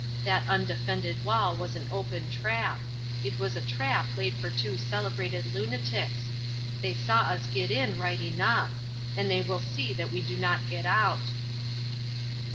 That undefended wall was an open trap. It was a trap laid for two celebrated lunatics. They saw us get in right enough. And they will see that we do not get out."